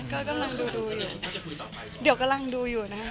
ก็กำลังดูเดี๋ยวกำลังดูอยู่นะ